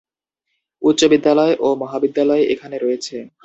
উচ্চবিদ্যালয় ও মহাবিদ্যালয় এখানে রয়েছে।